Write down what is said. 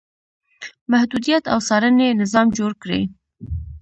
محدودیت او څارنې نظام جوړ کړي.